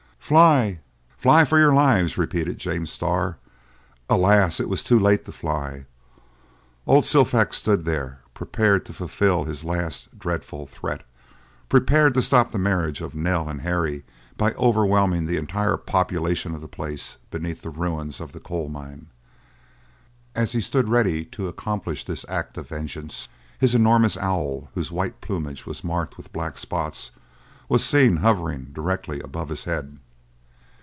"Fly! fly for your lives!" repeated James Starr. Alas! it was too late to fly! Old Silfax stood there, prepared to fulfill his last dreadful threat—prepared to stop the marriage of Nell and Harry by overwhelming the entire population of the place beneath the ruins of the coal mine. As he stood ready to accomplish this act of vengeance, his enormous owl, whose white plumage was marked with black spots, was seen hovering directly above his head.